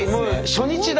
初日だ。